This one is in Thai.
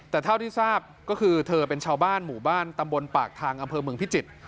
แต่เท่าที่ทราบก็คือเธอเป็นชาวบ้านหมู่บ้านตำบลปากทางอำเภอเมืองพิจิตร